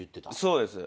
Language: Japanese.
そうです。